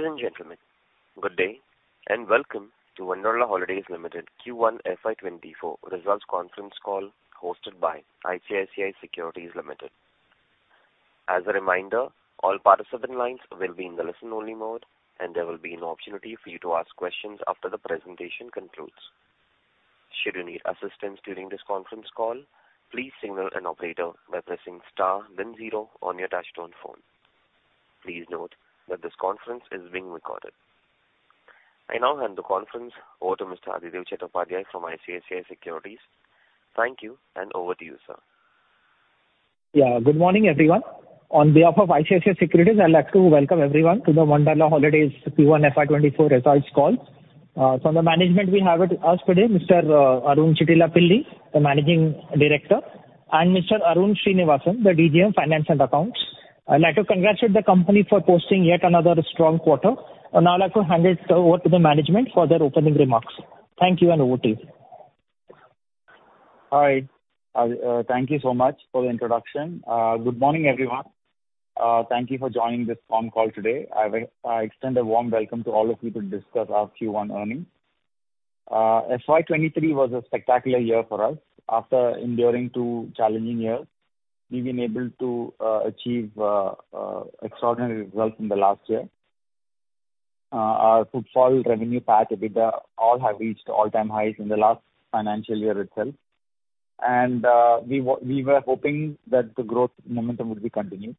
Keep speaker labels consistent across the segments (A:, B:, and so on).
A: Ladies and gentlemen, good day, and welcome to Wonderla Holidays Limited Q1 FY24 results conference call hosted by ICICI Securities Limited. As a reminder, all participant lines will be in the listen-only mode, and there will be an opportunity for you to ask questions after the presentation concludes. Should you need assistance during this conference call, please signal an operator by pressing star then zero on your touchtone phone. Please note that this conference is being recorded. I now hand the conference over to Mr. Aditya Chattopadhyay from ICICI Securities. Thank you, and over to you, sir.
B: Yeah, good morning, everyone. On behalf of ICICI Securities, I'd like to welcome everyone to the Wonderla Holidays Q1 FY24 results call. From the management, we have with us today Mr. Arun Chittilappilly, the Managing Director, and Mr. Arun Sreenivasan, the DGM Finance and Accounts. I'd like to congratulate the company for posting yet another strong quarter. Now, I'd like to hand it over to the management for their opening remarks. Thank you, and over to you.
C: Hi, thank you so much for the introduction. Good morning, everyone. Thank you for joining this phone call today. I extend a warm welcome to all of you to discuss our Q1 earnings. FY 23 was a spectacular year for us. After enduring two challenging years, we've been able to achieve extraordinary results in the last year. Our footfall, revenue, PAT, EBITDA all have reached all-time highs in the last FY itself. We w- we were hoping that the growth momentum would be continued.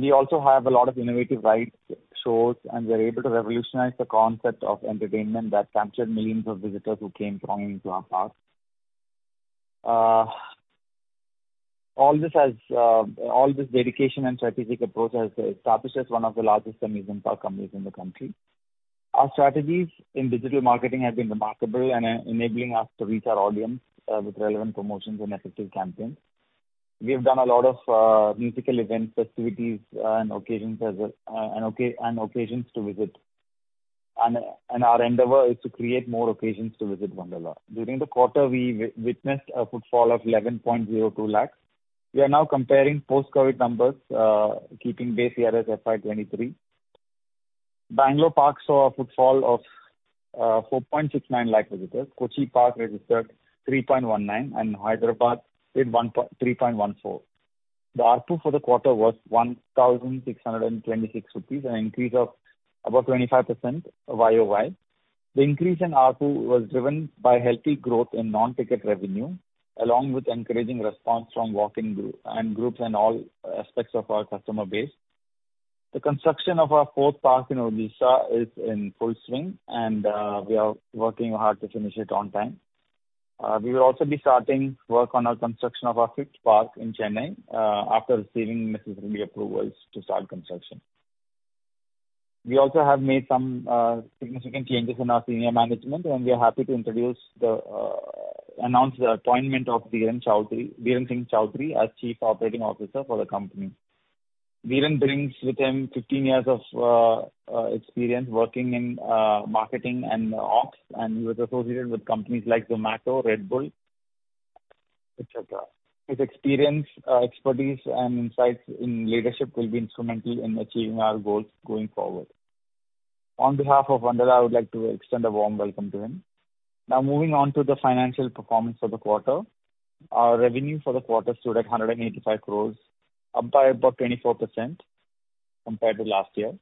C: We also have a lot of innovative rides, shows, and we're able to revolutionize the concept of entertainment that captured millions of visitors who came pouring into our parks. All this has, all this dedication and strategic approach has established us one of the largest amusement park companies in the country. Our strategies in digital marketing have been remarkable and enabling us to reach our audience with relevant promotions and effective campaigns. We have done a lot of musical events, festivities, and occasions as well, and occasions to visit. Our endeavor is to create more occasions to visit Wonderla. During the quarter, we witnessed a footfall of 11.02 lakh. We are now comparing post-COVID numbers, keeping base year as FY 23. Bangalore Park saw a footfall of 4.69 lakh visitors, Kochi Park registered 3.19, and Hyderabad did 3.14. The ARPU for the quarter was 1,626 rupees, an increase of about 25% YOY. The increase in ARPU was driven by healthy growth in non-ticket revenue, along with encouraging response from walk-in and groups and all aspects of our customer base. The construction of our fourth park in Odisha is in full swing, we are working hard to finish it on time. We will also be starting work on our construction of our fifth park in Chennai after receiving necessary approvals to start construction. We also have made some significant changes in our senior management, we are happy to introduce the announce the appointment of Dheeran Choudhary, Dheeran Singh Choudhary as Chief Operating Officer for the company. Viren brings with him 15 years of experience working in marketing and ops, and he was associated with companies like Zomato, Red Bull, et cetera. His experience, expertise, and insights in leadership will be instrumental in achieving our goals going forward. On behalf of Wonderla, I would like to extend a warm welcome to him. Now, moving on to the financial performance for the quarter. Our revenue for the quarter stood at 185 crore, up by about 24% compared to last year.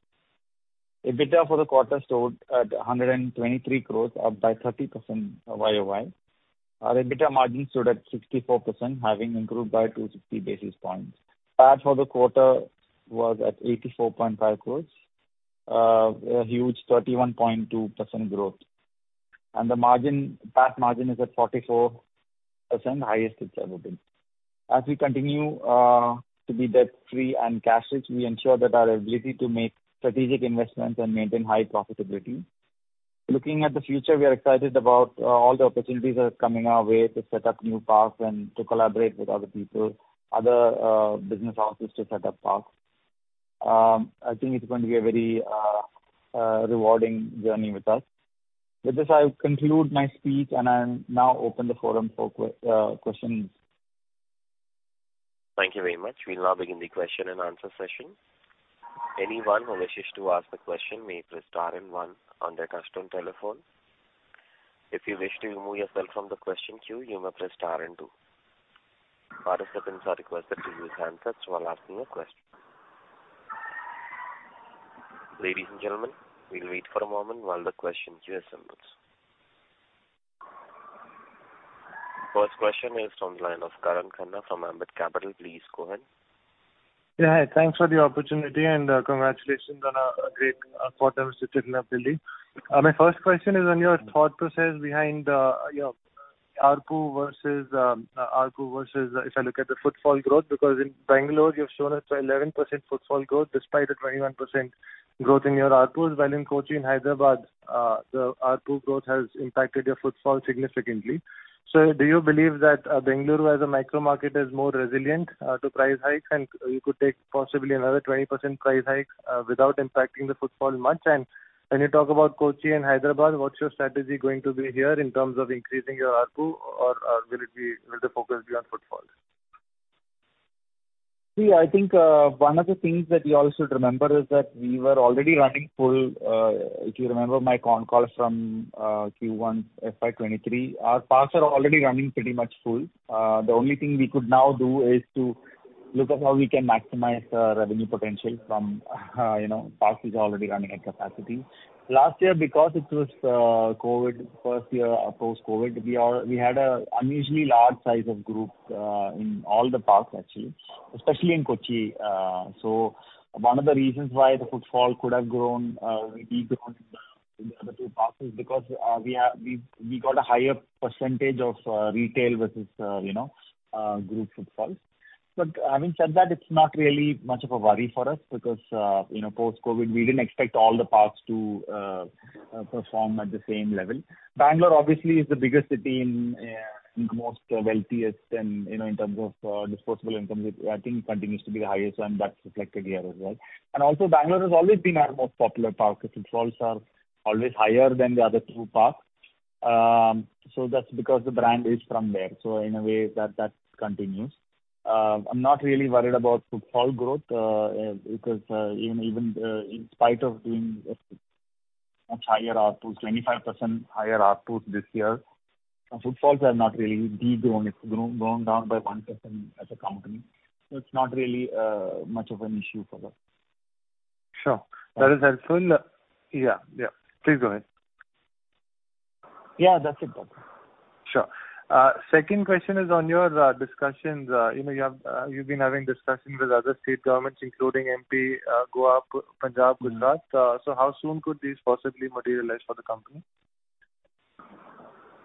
C: EBITDA for the quarter stood at 123 crore, up by 30% YOY. Our EBITDA margin stood at 64%, having improved by 260 basis points. PAT for the quarter was at 84.5 crore, a huge 31.2% growth. The margin, PAT margin is at 44%, highest it's ever been. As we continue to be debt-free and cash rich, we ensure that our ability to make strategic investments and maintain high profitability. Looking at the future, we are excited about all the opportunities that are coming our way to set up new parks and to collaborate with other people, other business houses to set up parks. I think it's going to be a very rewarding journey with us. With this, I conclude my speech, and I'll now open the forum for questions.
A: Thank you very much. We'll now begin the question and answer session. Anyone who wishes to ask the question may press star and 1 on their touchtone telephone. If you wish to remove yourself from the question queue, you may press star and two. Participants are requested to use handsets while asking a question. Ladies and gentlemen, we'll wait for a moment while the question queue assembles. First question is from the line of Karan Khanna from Ambit Capital. Please go ahead.
D: Yeah, hi. Thanks for the opportunity, and congratulations on a great quarter, Mr. Chittilappilly. My first question is on your thought process behind your ARPU versus ARPU versus if I look at the footfall growth, because in Bangalore, you've shown us an 11% footfall growth despite a 21% growth in your ARPUs. While in Kochi and Hyderabad, the ARPU growth has impacted your footfall significantly. Do you believe that Bangalore as a micro market is more resilient to price hikes, and you could take possibly another 20% price hike without impacting the footfall much? When you talk about Kochi and Hyderabad, what's your strategy going to be here in terms of increasing your ARPU, or will it be, will the focus be on footfall?...
C: See, I think, one of the things that you all should remember is that we were already running full, if you remember my con call from, Q1 FY 23, our parks are already running pretty much full. The only thing we could now do is to look at how we can maximize the revenue potential from, you know, parks is already running at capacity. Last year, because it was, COVID, first year of post-COVID, we had a unusually large size of group, in all the parks, actually, especially in Kochi. One of the reasons why the footfall could have grown, de-grown in the, in the other two parks, is because, we got a higher percentage of, retail versus, you know, group footfalls. Having said that, it's not really much of a worry for us because, you know, post-COVID, we didn't expect all the parks to perform at the same level. Bangalore obviously, is the biggest city in the most wealthiest and, you know, in terms of disposable income, it, I think, continues to be the highest, and that's reflected here as well. Also, Bangalore has always been our most popular park. Its footfalls are always higher than the other two parks. That's because the brand is from there. In a way, that, that continues. I'm not really worried about footfall growth because even, even, in spite of doing a much higher R2, 25% higher R2 this year, our footfalls have not really de-grown. It's grown, grown down by 1% as a company, so it's not really much of an issue for us.
D: Sure. That is helpful. Yeah, yeah. Please go ahead.
C: Yeah, that's it.
D: Sure. Second question is on your discussions. You know, you have, you've been having discussions with other state governments, including MP, Goa, Punjab, Gujarat. How soon could these possibly materialize for the company?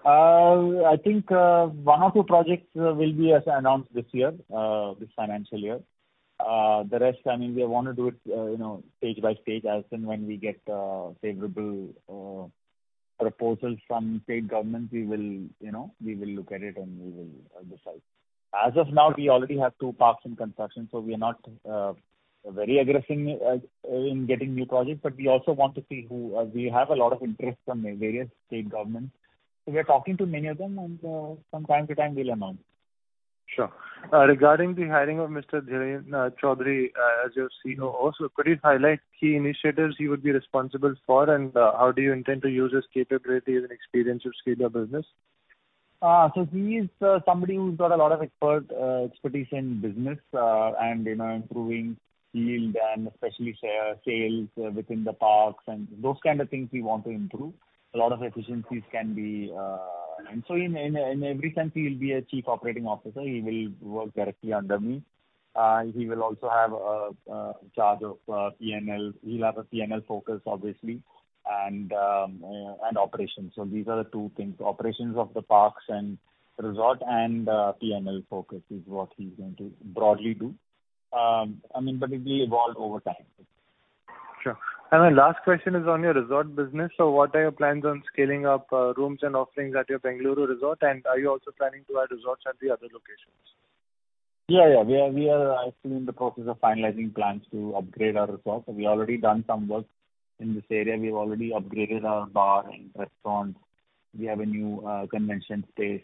C: I think, one or two projects will be, as announced this year, this FY. The rest, I mean, we want to do it, you know, stage by stage, as and when we get favorable proposals from state government, we will, you know, we will look at it, and we will decide. As of now, we already have two parks in construction, so we are not very aggressive in getting new projects, but we also want to see who... We have a lot of interest from the various state governments. We are talking to many of them, and from time to time, we'll announce.
D: Sure. Regarding the hiring of Mr. Dheeran Choudhary, as your CEO also, could you highlight key initiatives he would be responsible for, and how do you intend to use his capabilities and experience to scale your business?
C: He is somebody who's got a lot of expert expertise in business, and, you know, improving yield and especially sales within the parks and those kind of things we want to improve. A lot of efficiencies can be. In, in, in every sense, he will be a Chief Operating Officer. He will work directly under me. He will also have charge of PNL. He'll have a PNL focus, obviously, and operations. These are the two things, operations of the parks and resort, and PNL focus is what he's going to broadly do. I mean, but it will evolve over time.
D: Sure. My last question is on your resort business. What are your plans on scaling up, rooms and offerings at your Bengaluru resort, and are you also planning to add resorts at the other locations?
C: Yeah, yeah. We are, we are actually in the process of finalizing plans to upgrade our resort. We've already done some work in this area. We've already upgraded our bar and restaurant. We have a new convention space,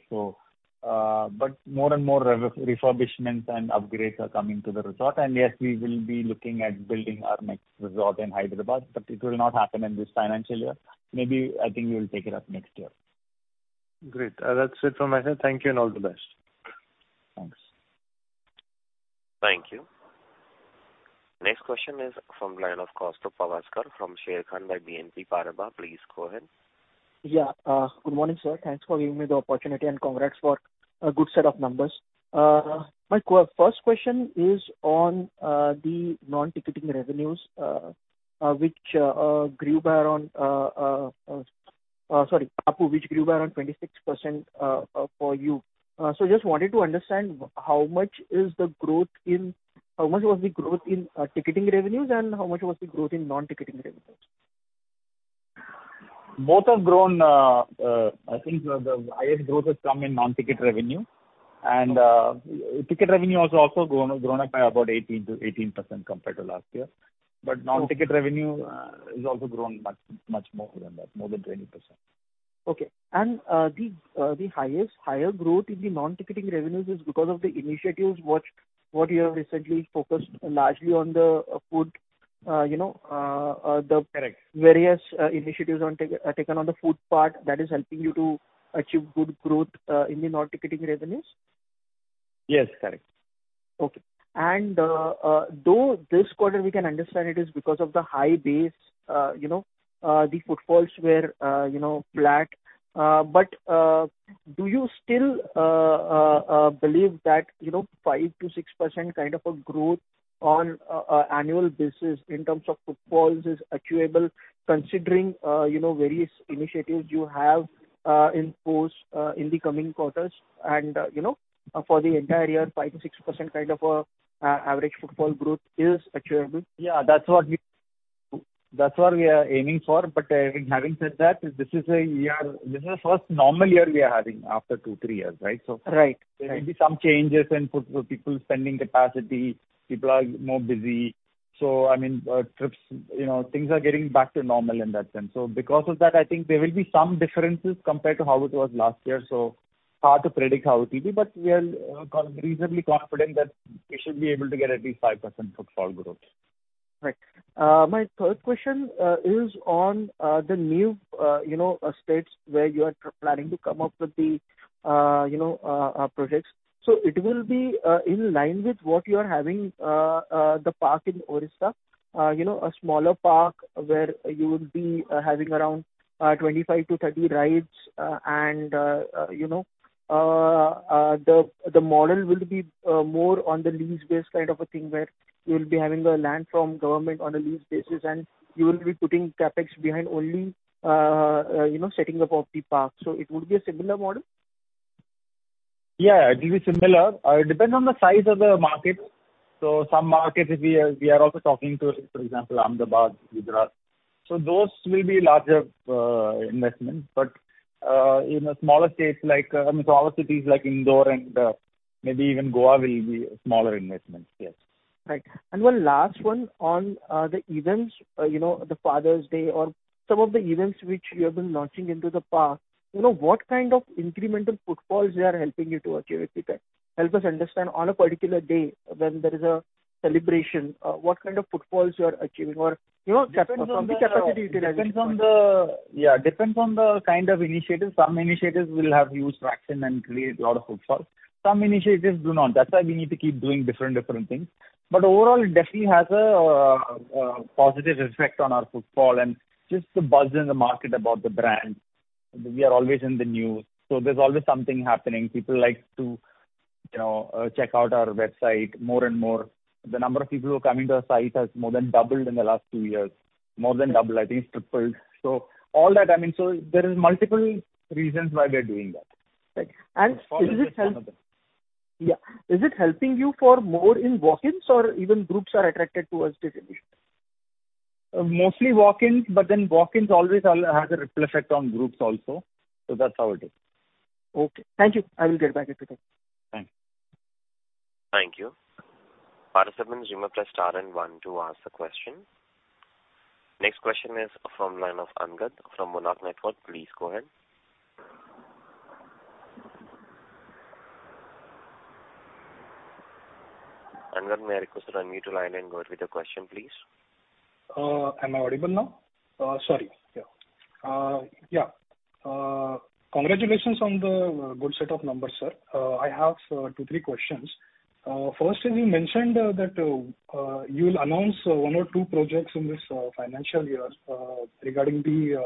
C: but more and more refurbishment and upgrades are coming to the resort. Yes, we will be looking at building our next resort in Hyderabad, but it will not happen in this FY. Maybe I think we'll take it up next year.
D: Great. That's it from my side. Thank you and all the best.
C: Thanks.
A: Thank you. Next question is from line of Kaustubh Pawaskar from Sharekhan by BNP Paribas. Please go ahead.
E: Yeah, good morning, sir. Thanks for giving me the opportunity, and congrats for a good set of numbers. My first question is on the non-ticketing revenues, which grew by around, sorry, APU, which grew by around 26% for you. So just wanted to understand how much is the growth in how much was the growth in ticketing revenues, and how much was the growth in non-ticketing revenues?
C: Both have grown, I think the, the highest growth has come in non-ticket revenue.
E: Okay.
C: Ticket revenue has also grown, grown up by about 18%-18% compared to last year.
E: Okay.
C: non-ticket revenue, has also grown much, much more than that, more than 20%.
E: Okay. The, the highest, higher growth in the non-ticketing revenues is because of the initiatives what, what you have recently focused largely on the food, you know, the-
C: Correct.
E: various initiatives on ticket taken on the food part, that is helping you to achieve good growth in the non-ticketing revenues?
C: Yes, correct.
E: Okay. Though this quarter we can understand it is because of the high base, you know, the footfalls were, you know, flat. Do you still believe that, you know, 5-6% kind of a growth on an annual basis in terms of footfalls is achievable, considering, you know, various initiatives you have, in post, in the coming quarters, and, you know, for the entire year, 5-6% kind of average footfall growth is achievable?
C: Yeah, that's what we, that's what we are aiming for. Having said that, this is a year, this is the first normal year we are having after two, three years, right?
E: Right, right.
C: There may be some changes in foot, people's spending capacity. People are more busy. I mean, trips, you know, things are getting back to normal in that sense. Because of that, I think there will be some differences compared to how it was last year, so hard to predict how it will be. We are reasonably confident that we should be able to get at least 5% footfall growth.
E: Right. My third question is on the new, you know, states where you are planning to come up with the, you know, projects. It will be in line with what you are having, the park in Odisha. You know, a smaller park where you will be having around 25-30 rides, and, you know, the model will be more on the lease base kind of a thing, where you will be having a land from government on a lease basis, and you will be putting CapEx behind only, you know, setting up of the park. It would be a similar model?
C: Yeah, it will be similar. It depends on the size of the market. Some markets we are, we are also talking to, for example, Ahmedabad, Gujarat. Those will be larger investments. In a smaller states, like, I mean, smaller cities like Indore and, maybe even Goa will be smaller investments, yes.
E: Right. One last one on the events, you know, the Father's Day or some of the events which you have been launching into the park. You know, what kind of incremental footfalls they are helping you to achieve with that? Help us understand on a particular day when there is a celebration, what kind of footfalls you are achieving? You know, from the capacity-
C: Depends on the kind of initiatives. Some initiatives will have huge traction and create a lot of footfalls. Some initiatives do not. That's why we need to keep doing different, different things. Overall, it definitely has a positive effect on our footfall and just the buzz in the market about the brand. We are always in the news, so there's always something happening. People like to, you know, check out our website more and more. The number of people who are coming to our site has more than doubled in the last two years. More than doubled, I think tripled. All that, I mean, so there is multiple reasons why we are doing that.
E: Right. Yeah. Is it helping you for more in walk-ins or even groups are attracted towards this initiative?
C: Mostly walk-ins, but then walk-ins always has a ripple effect on groups also. That's how it is.
E: Okay, thank you. I will get back if required.
C: Thanks.
A: Thank you. Operator, give me press star and one to ask the question. Next question is from line of Angad, from Monarch Networth Capital. Please go ahead. Angad, may I request you to unmute your line and go with your question, please.
F: Sorry. Yes. Congratulations on the good set of numbers, sir. I have two-three questions. First, you mentioned that you will announce one or two projects in this FY regarding the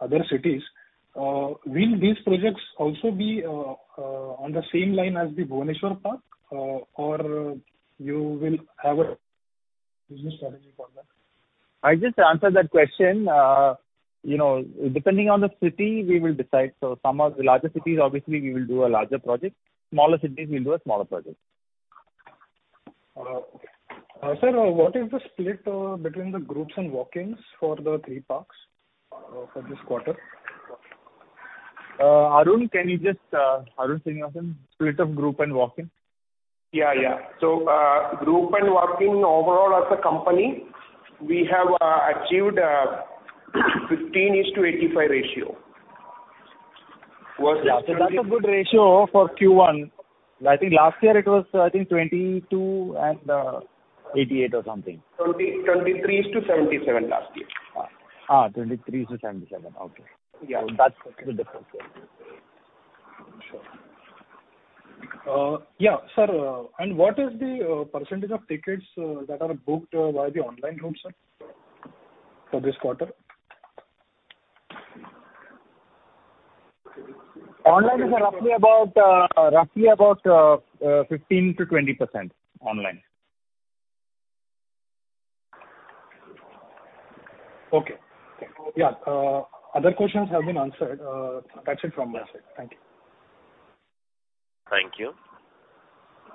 F: other cities. Will these projects also be on the same line as the Bhubaneswar park, or will you have a business strategy for that
C: I just answered that question. you know, depending on the city, we will decide. Some of the larger cities, obviously, we will do a larger project. Smaller cities, we'll do a smaller project.
F: Okay. Sir, what is the split, between the groups and walk-ins for the 3 parks, for this quarter?
C: Arun, can you just... Arun Sreenivasan, split of group and walk-ins.
G: Yeah, yeah. Group and walk-ins overall as a company, we have achieved 15:85 ratio.
C: Yeah, that's a good ratio for Q1. I think last year it was, I think 22 and 88 or something.
G: 20, 23:77 last year.
C: 23:77. Okay.
G: Yeah.
C: That's the difference there. Sure.
F: Yeah, sir, what is the percentage of tickets that are booked via the online route, sir, for this quarter?
C: Online is roughly about, roughly about, 15-20% online.
F: Okay. Yeah, other questions have been answered. That's it from my side. Thank you.
A: Thank you.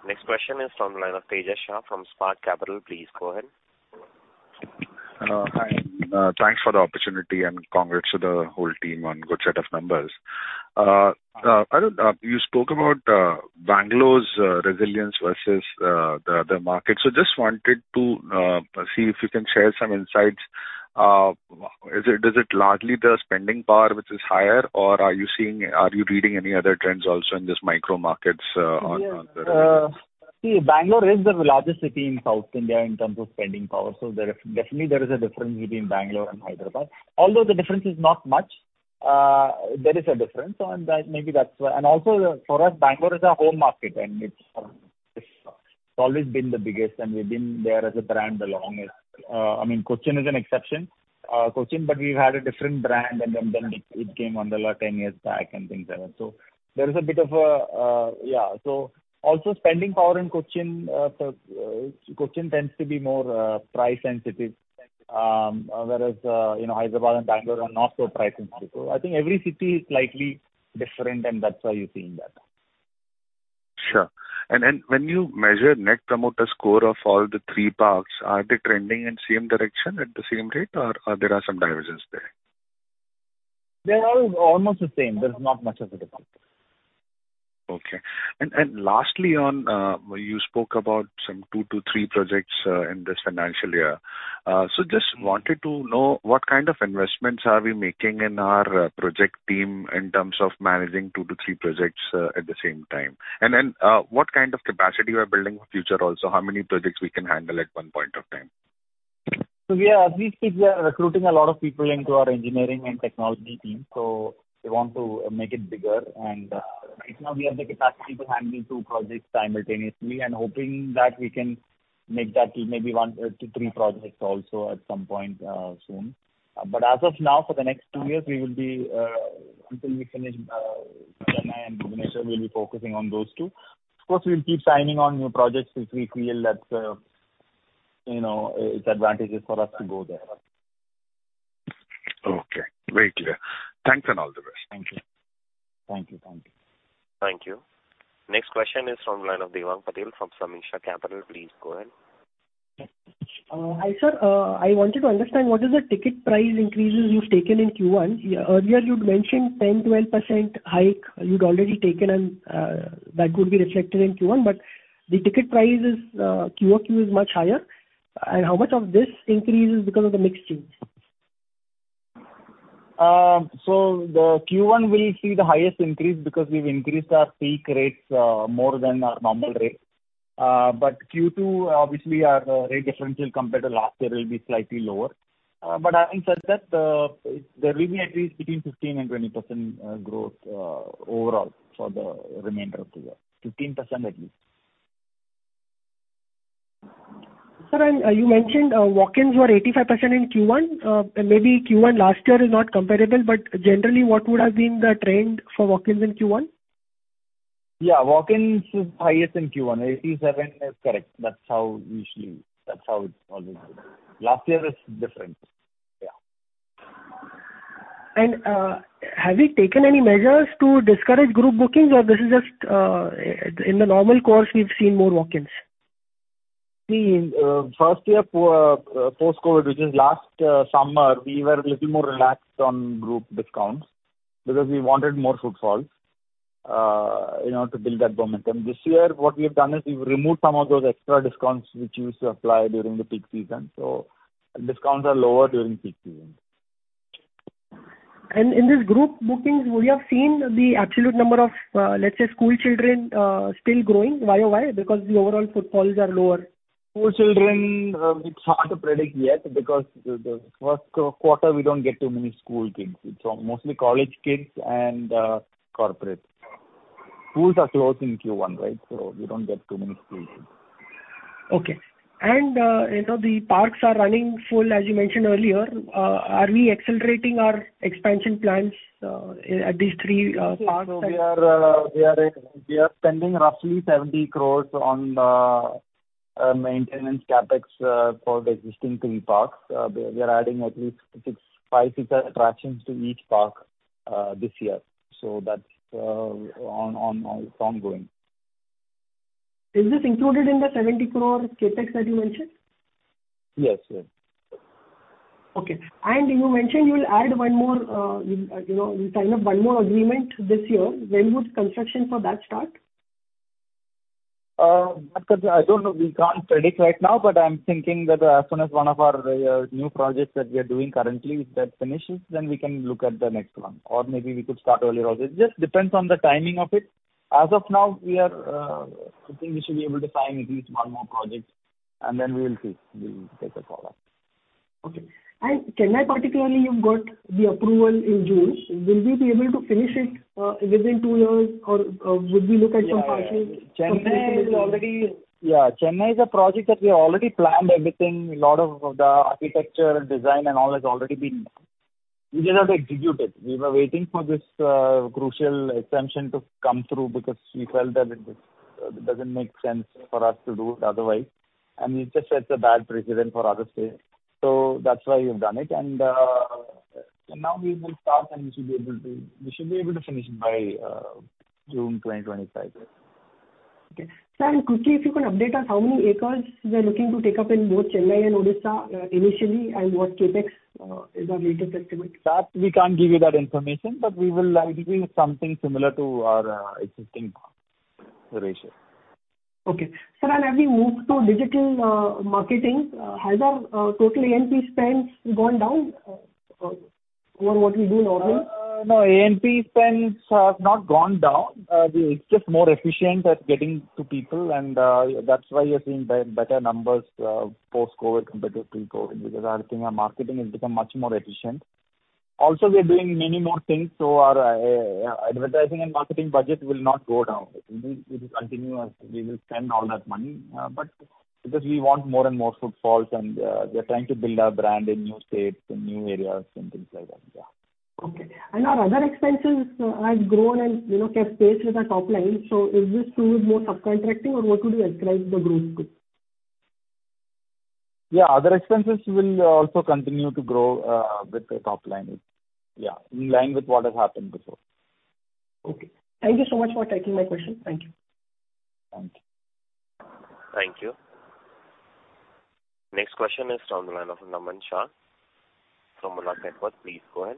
A: Next question is from the line of Tejas Shah from Spark Capital. Please go ahead.
H: Hi, thanks for the opportunity, and congrats to the whole team on good set of numbers. Arun, you spoke about Bangalore's resilience versus the, the market. Just wanted to see if you can share some insights. Is it, is it largely the spending power which is higher, or are you seeing-- are you reading any other trends also in these micro markets, on the-
C: Yes, see, Bangalore is the largest city in South India in terms of spending power, so there definitely there is a difference between Bangalore and Hyderabad. Although the difference is not much, there is a difference, and that maybe that's why. Also for us, Bangalore is our home market, and it's, it's always been the biggest, and we've been there as a brand the longest. I mean, Cochin is an exception, Cochin, but we've had a different brand, and then, then it, it came under the 10 years back and things like that. There is a bit of, yeah. Also spending power in Cochin, Cochin tends to be more price sensitive, whereas, you know, Hyderabad and Bangalore are not so price sensitive. I think every city is slightly different, and that's why you're seeing that.
H: Sure. Then when you measure Net Promoter Score of all the three parks, are they trending in same direction, at the same rate, or are there are some divergences there?
C: They're all almost the same. There's not much of a difference.
H: Okay. Lastly on, you spoke about some two-three projects, in this FY. Just wanted to know what kind of investments are we making in our project team in terms of managing two-three projects, at the same time? Then, what kind of capacity we are building for future also, how many projects we can handle at one point of time?
C: We are, we speak, we are recruiting a lot of people into our engineering and technology team, so we want to make it bigger. Right now, we have the capacity to handle two projects simultaneously and hoping that we can make that to maybe one-three projects also at some point soon. As of now, for the next two years, we will be until we finish Chennai and Odisha, we'll be focusing on those two. Of course, we'll keep signing on new projects if we feel that, you know, it's advantageous for us to go there.
H: Okay. Very clear. Thanks, and all the best.
C: Thank you.
A: Thank you. Next question is from line of Devang Patel from Samiksha Capital. Please go ahead.
I: Hi, sir, I wanted to understand what is the ticket price increases you've taken in Q1? Earlier, you'd mentioned 10-12% hike you'd already taken, and that would be reflected in Q1, but the ticket price is QOQ is much higher. How much of this increase is because of the mix change?
C: The Q1 will see the highest increase because we've increased our peak rates, more than our normal rates. Q2, obviously, our rate differential compared to last year will be slightly lower. Having said that, there will be at least between 15% and 20% growth overall, for the remainder of the year. 15%, at least.
I: Sir, you mentioned, walk-ins were 85% in Q1. Maybe Q1 last year is not comparable, but generally, what would have been the trend for walk-ins in Q1?
C: Yeah, walk-ins is highest in Q1. 87% is correct. That's how usually... That's how it's always been. Last year is different. Yeah.
I: Have you taken any measures to discourage group bookings, or this is just, in the normal course, we've seen more walk-ins?
C: The first year post-COVID, which is last summer, we were little more relaxed on group discounts because we wanted more footfalls in order to build that momentum. This year, what we have done is, we've removed some of those extra discounts which used to apply during the peak season. Discounts are lower during peak season.
I: In this group bookings, we have seen the absolute number of, let's say, school children, still growing YOY, because the overall footfalls are lower.
C: School children, it's hard to predict yet, because the first quarter, we don't get too many school kids. It's mostly college kids and corporates. Schools are closed in Q1, right? We don't get too many school kids.
I: Okay. You know, the parks are running full, as you mentioned earlier. Are we accelerating our expansion plans at these three parks?
C: We are, we are, we are spending roughly 70 crore on maintenance CapEx for the existing three parks. We are adding at least six, five, six attractions to each park this year. That's on, on, it's ongoing.
I: Is this included in the 70 crore CapEx that you mentioned?
C: Yes, yes.
I: Okay. You mentioned you will add one more, you know, you sign up one more agreement this year. When would construction for that start?
C: I don't know. We can't predict right now, but I'm thinking that as soon as one of our new projects that we are doing currently, if that finishes, then we can look at the next one, or maybe we could start earlier also. It just depends on the timing of it. As of now, we are, I think we should be able to sign at least one more project, and then we will see. We will take a call on it.
I: Okay. Chennai, particularly, you've got the approval in June. Will we be able to finish it, within two years or, would we look at some partial-?
C: Chennai is already. Yeah, Chennai is a project that we have already planned everything. A lot of the architecture and design and all has already been done. We just have to execute it. We were waiting for this crucial exemption to come through because we felt that it, it doesn't make sense for us to do it otherwise, and it just sets a bad precedent for other states. That's why we've done it. Now we will start, and we should be able to, we should be able to finish it by June 2025.
I: Okay. Sir, quickly, if you could update us how many acres we are looking to take up in both Chennai and Odisha, initially, and what CapEx is our latest estimate?
C: That, we can't give you that information, but we will likely something similar to our existing parks ratio.
I: Okay. Sir, as we move to digital marketing, has our total AMP spends gone down over what we do normally?
C: No, AMP spends have not gone down. We're just more efficient at getting to people, and that's why you're seeing better numbers, post-COVID compared to pre-COVID, because I think our marketing has become much more efficient. We're doing many more things, so our advertising and marketing budget will not go down. It will, it will continue as we will spend all that money, but because we want more and more footfalls and we are trying to build our brand in new states and new areas and things like that, yeah.
I: Okay. Our other expenses have grown and, you know, kept pace with our top line. Is this to do with more subcontracting, or what would you ascribe the growth to?
C: Yeah, other expenses will also continue to grow with the top line. Yeah, in line with what has happened before.
I: Okay. Thank you so much for taking my question. Thank you.
C: Thank you.
A: Thank you. Next question is on the line of Naman Shah from Monarch Network Capital. Please go ahead.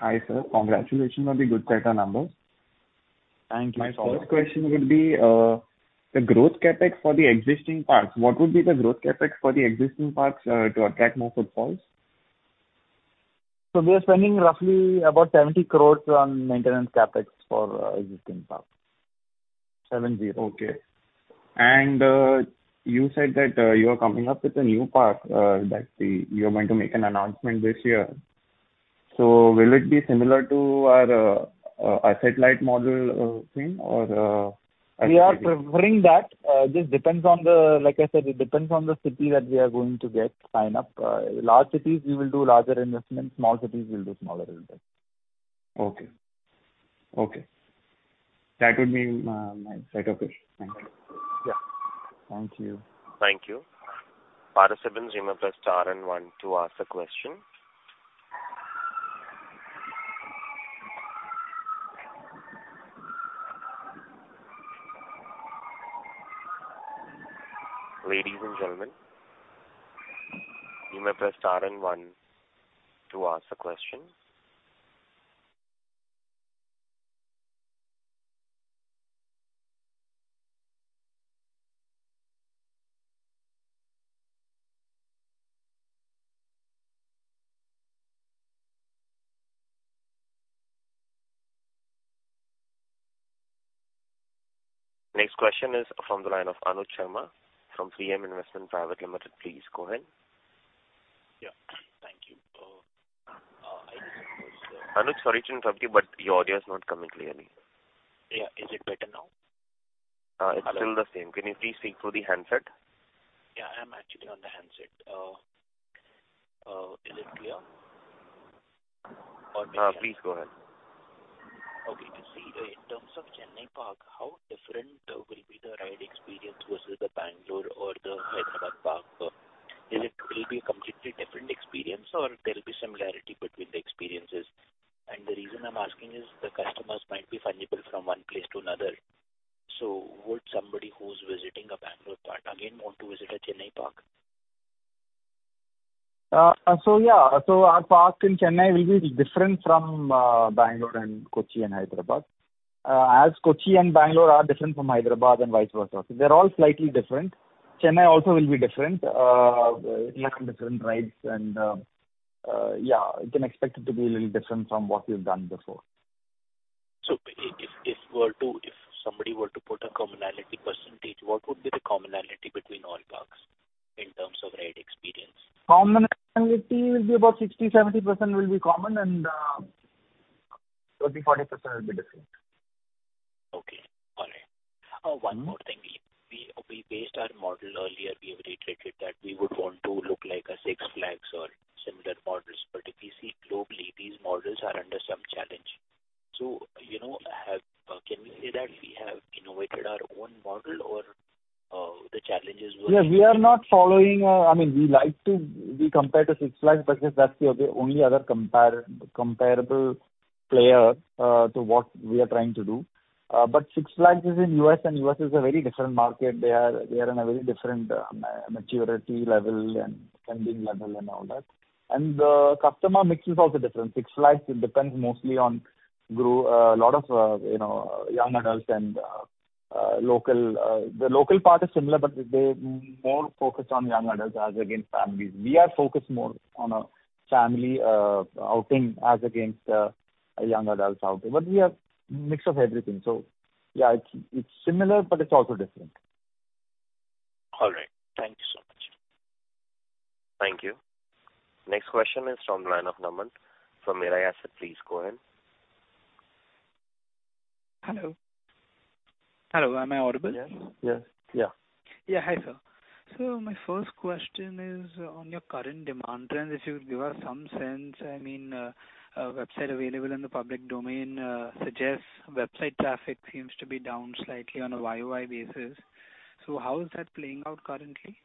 J: Hi, sir. Congratulations on the good quarter numbers.
C: Thank you.
J: My first question would be, the growth CapEx for the existing parks. What would be the growth CapEx for the existing parks, to attract more footfalls?
C: We are spending roughly about 70 crore on maintenance CapEx for existing parks.
J: Okay. You said that you are coming up with a new park, you are going to make an announcement this year. Will it be similar to our satellite model thing, or...?
C: We are preferring that. Like I said, it depends on the city that we are going to get sign up. Large cities, we will do larger investments, small cities, we'll do smaller investments.
J: Okay. Okay. That would be, my set of questions. Thank you.
C: Yeah. Thank you.
A: Thank you. Participant, remember press star and one to ask a question. Ladies and gentlemen, you may press star and 1 to ask a question. Next question is from the line of Anuj Sharma from Three M Investment Private Limited. Please go ahead.
K: Yeah. Thank you.
A: Anuj, sorry to interrupt you. Your audio is not coming clearly.
K: Yeah. Is it better now?
A: It's still the same. Can you please speak through the handset?
K: Yeah, I'm actually on the handset. Is it clear?
A: Please go ahead.
K: Okay. To see, in terms of Chennai park, how different will be the ride experience versus the Bangalore or the Hyderabad park? Will it be a completely different experience, or there'll be similarity between the experiences? The reason I'm asking is, the customers might be fungible from one place to another. Would somebody who's visiting a Bangalore park again want to visit a Chennai park?
C: Yeah. Our park in Chennai will be different from Bangalore and Kochi and Hyderabad. Kochi and Bangalore are different from Hyderabad and vice versa. They're all slightly different. Chennai also will be different, it will have different rides and, yeah, you can expect it to be a little different from what we've done before.
K: If somebody were to put a commonality percentage, what would be the commonality between all parks in terms of ride experience?
C: Commonality will be about 60-70% will be common, and 30-40% will be different.
K: Okay. All right.
C: Mm-hmm.
K: One more thing. We, we based our model earlier, we have reiterated that we would want to look like a Six Flags or similar models. If we see globally, these models are under some challenge. you know, have, can we say that we have innovated our own model or, the challenges were.
C: Yeah, we are not following, I mean, we like to be compared to Six Flags because that's the only other comparable player to what we are trying to do. Six Flags is in US, and US is a very different market. They are, they are in a very different maturity level and spending level and all that. The customer mix is also different. Six Flags depends mostly on grew, a lot of, you know, young adults and local, the local part is similar, but they more focused on young adults as against families. We are focused more on a family outing, as against young adults outing. We are mix of everything. Yeah, it's, it's similar, but it's also different.
K: All right. Thank you so much.
A: Thank you. Next question is from line of Naman from Mirae Asset. Please go ahead.
L: Hello? Hello, am I audible?
C: Yes. Yes. Yeah.
L: Hi, sir. My first question is on your current demand trends. If you give us some sense, I mean, a website available in the public domain, suggests website traffic seems to be down slightly on a YOY basis. How is that playing out currently?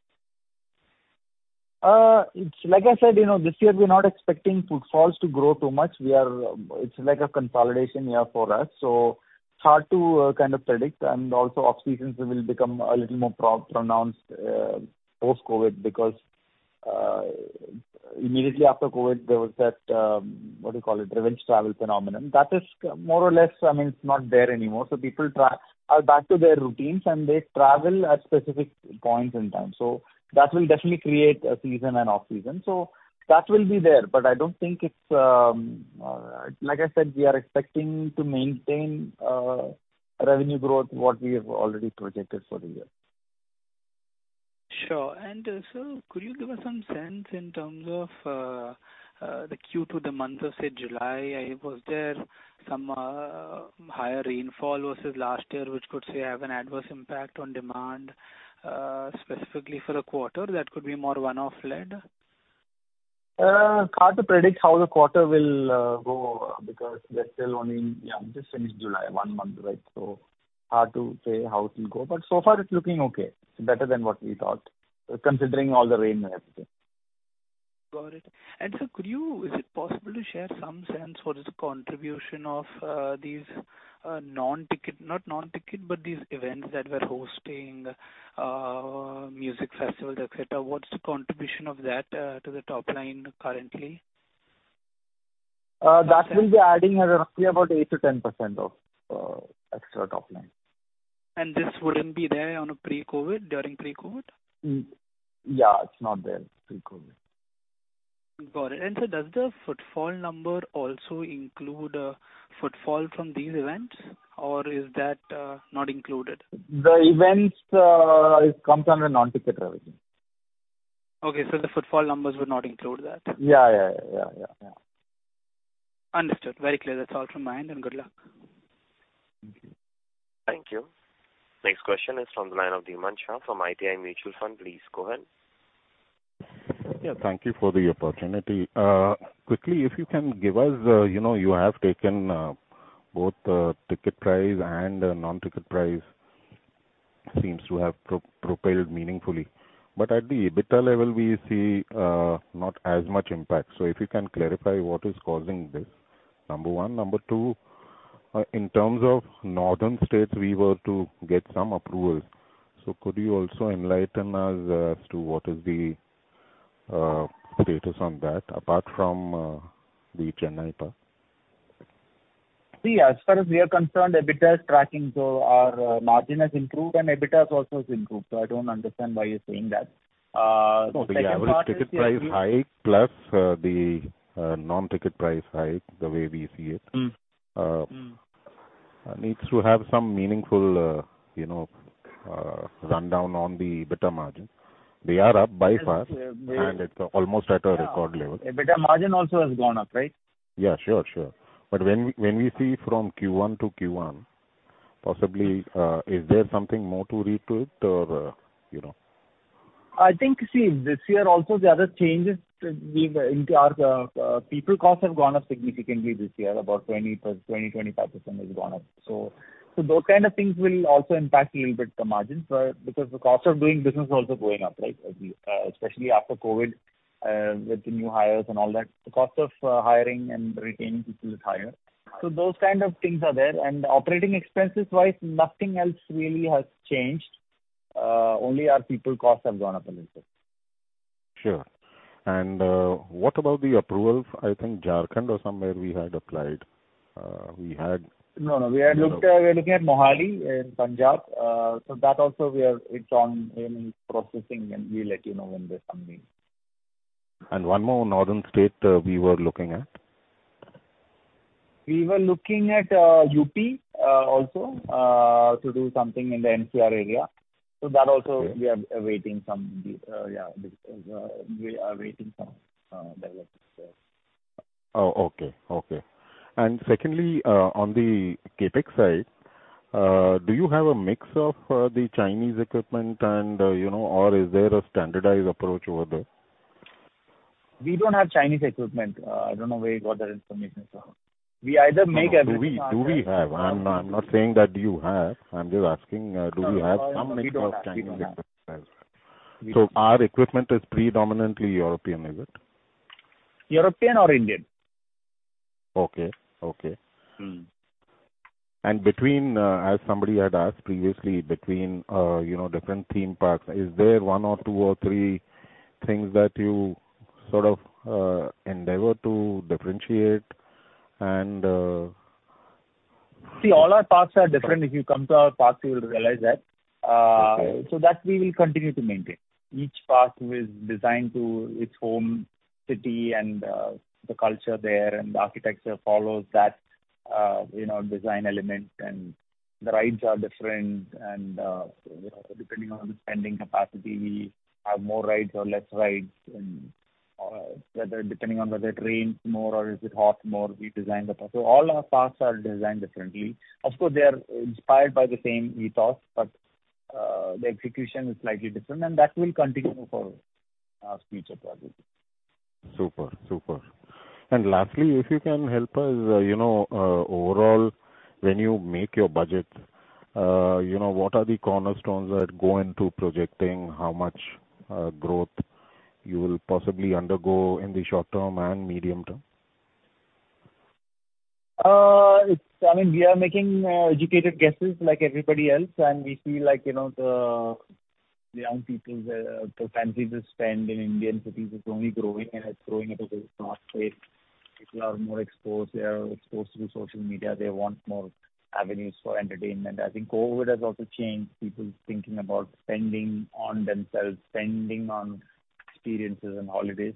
C: It's like I said, you know, this year we're not expecting footfalls to grow too much. We are, it's like a consolidation year for us, so hard to kind of predict. Also, off seasons will become a little more pronounced post-COVID, because immediately after COVID, there was that, what do you call it? Revenge travel phenomenon. That is more or less, I mean, it's not there anymore. People are back to their routines, and they travel at specific points in time. That will definitely create a season and off season. That will be there, but I don't think it's, like I said, we are expecting to maintain revenue growth, what we have already projected for the year.
L: Sure. So could you give us some sense in terms of the Q2, the month of, say, July? Was there some higher rainfall versus last year, which could, say, have an adverse impact on demand, specifically for the quarter, that could be more one-off led?
C: Hard to predict how the quarter will go, because we're still only, yeah, just finished July, one month, right? Hard to say how it will go, but so far it's looking okay. It's better than what we thought, considering all the rain we have seen....
L: Got it. Sir, could you, is it possible to share some sense what is the contribution of these, non-ticket, not non-ticket, but these events that we're hosting, music festivals, et cetera. What's the contribution of that to the top line currently?
C: That will be adding roughly about 8-10% of extra top line.
L: This wouldn't be there on a pre-COVID, during pre-COVID?
C: Yeah, it's not there pre-COVID.
L: Got it. Sir, does the footfall number also include, footfall from these events, or is that, not included?
C: The events, it comes under non-ticket revenue.
L: Okay. The footfall numbers would not include that?
C: Yeah, yeah, yeah, yeah, yeah.
L: Understood. Very clear. That's all from my end. Good luck.
C: Thank you.
A: Thank you. Next question is from the line of Dhimant Shah from ITI Mutual Fund. Please go ahead.
M: Yeah, thank you for the opportunity. Quickly, if you can give us, you know, you have taken both the ticket price and the non-ticket price, seems to have propelled meaningfully. At the EBITDA level, we see not as much impact. If you can clarify what is causing this, number one. Number two, in terms of northern states, we were to get some approval. Could you also enlighten us as to what is the status on that, apart from the Chennai park?
C: See, as far as we are concerned, EBITDA is tracking, so our margin has improved, and EBITDA also has improved, so I don't understand why you're saying that. The second part-
N: No, the average ticket price hike, plus, the, non-ticket price hike, the way we see it.
C: Mm.
N: needs to have some meaningful, you know, rundown on the EBITDA margin. They are up by far, and it's almost at a record level.
C: EBITDA margin also has gone up, right?
N: Yeah, sure, sure. When we, when we see from Q1 to Q1, possibly, is there something more to read to it or, you know?
C: I think, see, this year also, the other changes. In our people costs have gone up significantly this year, about 20%, 20%-25% has gone up. Those kind of things will also impact a little bit the margins, because the cost of doing business is also going up, right? Especially after COVID, with the new hires and all that, the cost of hiring and retaining people is higher. Those kind of things are there. Operating expenses-wise, nothing else really has changed. Only our people costs have gone up a little bit.
N: Sure. What about the approvals? I think Jharkhand or somewhere we had applied. We had-
C: No, no, we are looking, we are looking at Mohali in Punjab. That also we are, it's on in processing, and we'll let you know when there's something.
N: One more northern state, we were looking at?
C: We were looking at UP also to do something in the NCR area. That also, we are awaiting some developments there.
N: Oh, okay, okay. Secondly, on the CapEx side, do you have a mix of the Chinese equipment and, you know, or is there a standardized approach over there?
C: We don't have Chinese equipment. I don't know where you got that information from. We either make everything-
N: Do we have? I'm not saying that you have. I'm just asking, do we have some mix of Chinese equipment?
C: We don't have.
N: Our equipment is predominantly European, is it?
C: European or Indian.
N: Okay, okay.
C: Mm.
N: Between, as somebody had asked previously, between, you know, different theme parks, is there one or two or three things that you sort of, endeavor to differentiate and...
C: See, all our parks are different. If you come to our parks, you will realize that.
N: Okay.
C: That we will continue to maintain. Each park is designed to its home city and the culture there, and the architecture follows that, you know, design element, and the rides are different. Depending on the spending capacity, we have more rides or less rides, and whether depending on whether it rains more or is it hot more, we design the park. All our parks are designed differently. Of course, they are inspired by the same ethos, but the execution is slightly different, and that will continue for future projects.
N: Super, super. Lastly, if you can help us, you know, overall, when you make your budget, you know, what are the cornerstones that go into projecting how much growth you will possibly undergo in the short term and medium term?
C: It's, I mean, we are making educated guesses like everybody else, and we feel like, you know, the young people's propensity to spend in Indian cities is only growing, and it's growing at a very fast pace. People are more exposed. They are exposed to the social media. They want more avenues for entertainment. I think COVID has also changed people's thinking about spending on themselves, spending on experiences and holidays.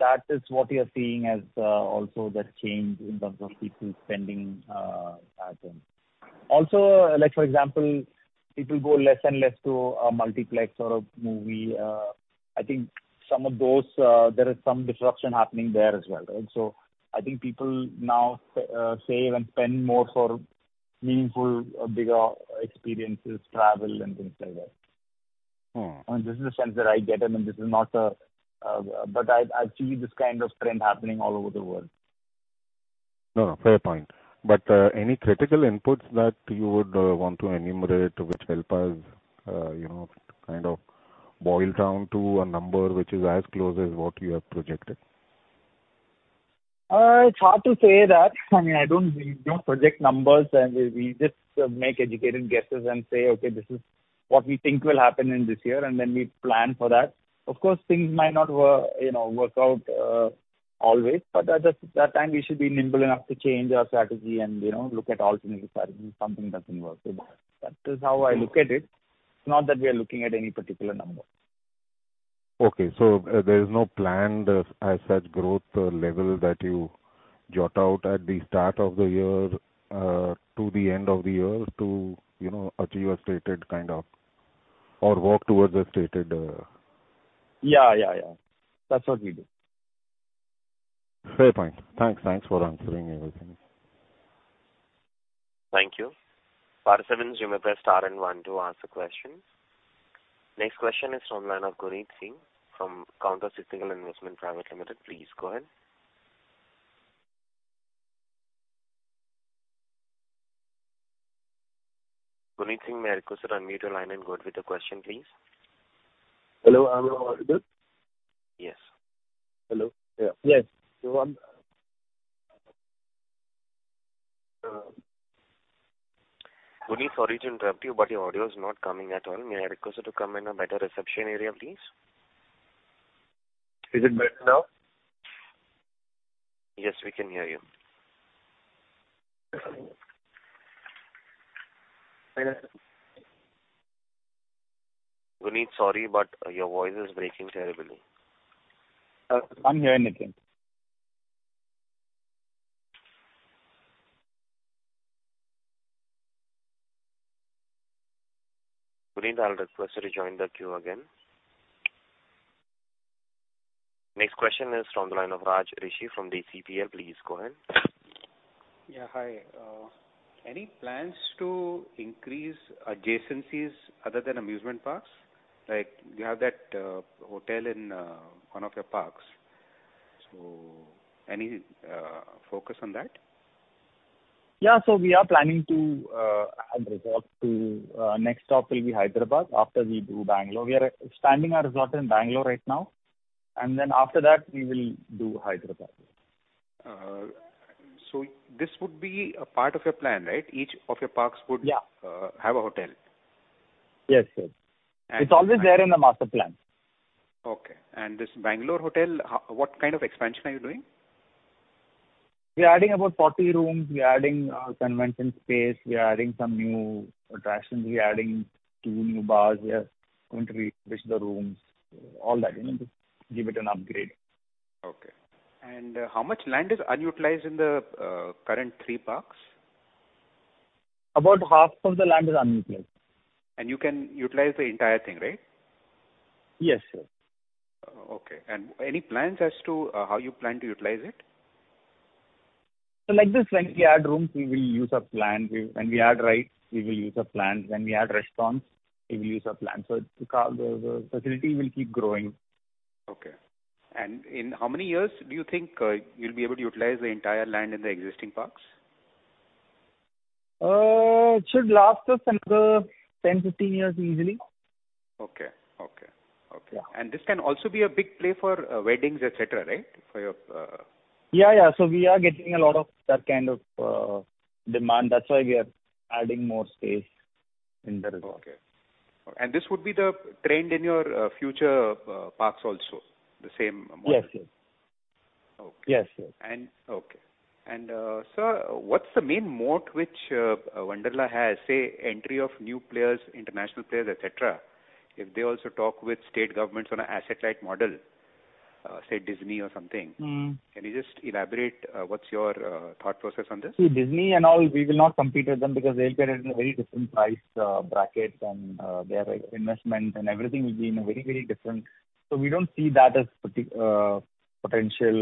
C: That is what we are seeing as also that change in terms of people's spending pattern. Like, for example, people go less and less to a multiplex or a movie. I think some of those, there is some disruption happening there as well, right? I think people now save and spend more for meaningful, bigger experiences, travel and things like that.
N: Mm.
C: This is the sense that I get, I mean, this is not, but I, I see this kind of trend happening all over the world.
N: No, no, fair point. Any critical inputs that you would want to enumerate which help us, you know, kind of boil down to a number which is as close as what you have projected?
C: It's hard to say that. I mean, I don't, we don't project numbers, and we, we just make educated guesses and say, "Okay, this is what we think will happen in this year," and then we plan for that. Of course, things might not work, you know, work out, always, but at that, that time, we should be nimble enough to change our strategy and, you know, look at alternative strategies if something doesn't work. That is how I look at it. It's not that we are looking at any particular number.
N: Okay. There is no planned, as such, growth level that you jot out at the start of the year, to the end of the year to, you know, achieve a stated kind of, or work towards the stated.
C: Yeah, yeah, yeah. That's what we do.
N: Fair point. Thanks. Thanks for answering everything.
A: Thank you. For seven, you may press star and one to ask a question. Next question is from line of Guneet Singh from Counter Technical Investment Private Limited. Please go ahead. Guneet Singh, may I request you to unmute your line and go ahead with the question, please?
N: Hello, I'm audible?
A: Yes.
N: Hello. Yeah. Yes. So I'm-
A: Guneet, sorry to interrupt you, but your audio is not coming at all. May I request you to come in a better reception area, please?
N: Is it better now?
A: Yes, we can hear you. Guneet, sorry, your voice is breaking terribly.
K: I'm hearing it again.
A: Guneet, I'll request you to join the queue again. Next question is from the line of Raj Rishi from the CPL. Please go ahead.
O: Yeah, hi. Any plans to increase adjacencies other than amusement parks? Like, you have that hotel in one of your parks. Any focus on that?
C: Yeah. We are planning to add resort to next stop will be Hyderabad. After we do Bangalore. We are expanding our resort in Bangalore right now, and then after that, we will do Hyderabad.
O: This would be a part of your plan, right? Each of your parks
C: Yeah.
O: have a hotel.
C: Yes, sir.
O: And-
C: It's always there in the master plan.
O: Okay. This Bangalore hotel, what kind of expansion are you doing?
C: We're adding about 40 rooms. We're adding, convention space. We are adding some new attractions. We're adding two new bars. We are going to refresh the rooms, all that, you know, to give it an upgrade.
O: Okay. How much land is unutilized in the current three parks?
C: About half of the land is unutilized.
O: You can utilize the entire thing, right?
C: Yes, sir.
O: Okay. Any plans as to, how you plan to utilize it?
C: Like this, when we add rooms, we will use a plan. When we add rides, we will use a plan. When we add restaurants, we will use a plan. The facility will keep growing.
O: Okay. In how many years do you think, you'll be able to utilize the entire land in the existing parks?
C: It should last us another 10-15 years easily.
O: Okay. Okay, okay.
C: Yeah.
O: This can also be a big play for weddings, et cetera, right? For your,
C: Yeah, yeah. We are getting a lot of that kind of demand. That's why we are adding more space in the resort.
O: Okay. This would be the trend in your future parks also, the same model?
C: Yes, yes.
O: Okay.
C: Yes, yes.
O: Okay. Sir, what's the main moat which Wonderla has? Say, entry of new players, international players, et cetera. If they also talk with state governments on an asset-light model, say, Disney or something-
C: Mm.
O: Can you just elaborate, what's your thought process on this?
C: See, Disney and all, we will not compete with them because they operate in a very different price bracket and their investment and everything will be in a very, very different. We don't see that as potential.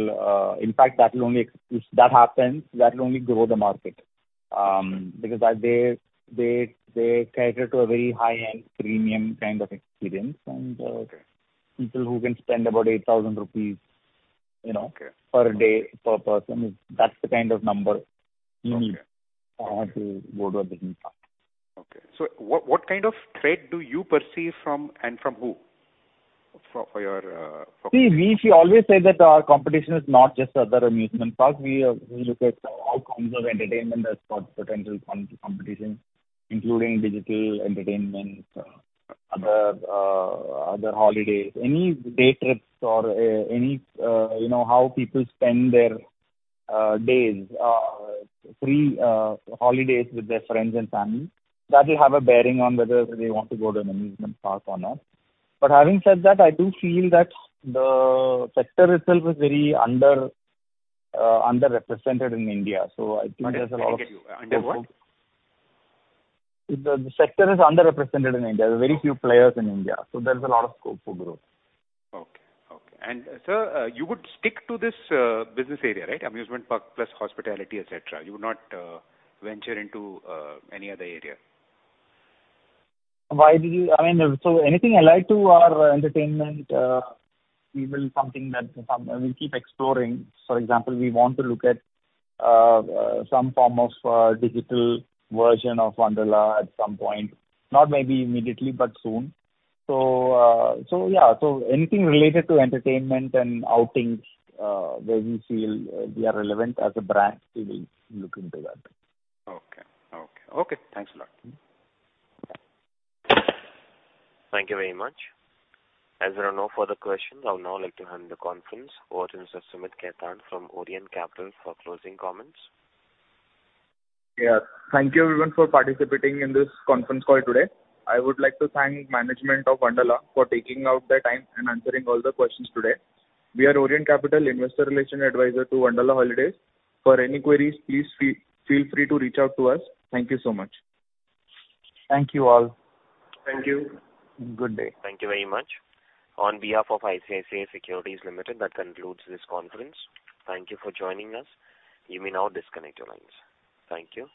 C: In fact, that will only, if that happens, that will only grow the market. Because that they, they, they cater to a very high-end, premium kind of experience.
O: Okay.
C: People who can spend about 8,000 rupees, you know-
O: Okay.
C: per day, per person. That's the kind of number.
O: Okay.
C: you need to go to a Disney park.
O: Okay. What, what kind of threat do you perceive from, and from who, for, for your?
C: See, we, we always say that our competition is not just other amusement parks. We look at all forms of entertainment as potential competition, including digital entertainment, other holidays. Any day trips or any, you know, how people spend their days, free holidays with their friends and family, that will have a bearing on whether they want to go to an amusement park or not. Having said that, I do feel that the sector itself is very underrepresented in India. I think there's a lot of-
O: Under what?
C: The sector is underrepresented in India. There are very few players in India. There's a lot of scope for growth.
O: Okay, okay. Sir, you would stick to this business area, right? Amusement park plus hospitality, et cetera. You would not venture into any other area?
C: Why do you... I mean, anything allied to our entertainment, we will something that, we'll keep exploring. For example, we want to look at some form of digital version of Wonderla at some point. Not maybe immediately, but soon. Yeah, anything related to entertainment and outings, where we feel we are relevant as a brand, we will look into that.
O: Okay, okay. Okay, thanks a lot.
A: Thank you very much. As there are no further questions, I would now like to hand the conference over to Mr. Sumit Keitan from Orient Capital for closing comments.
G: Yeah. Thank you, everyone, for participating in this conference call today. I would like to thank management of Wonderla for taking out the time and answering all the questions today. We are Orient Capital Investor Relations advisor to Wonderla Holidays. For any queries, please feel free to reach out to us. Thank you so much.
C: Thank you, all.
G: Thank you.
C: Good day.
A: Thank you very much. On behalf of ICICI Securities Limited, that concludes this conference. Thank you for joining us. You may now disconnect your lines. Thank you.